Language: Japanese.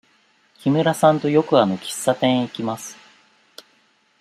木村さんとよくあの喫茶店へ行きます。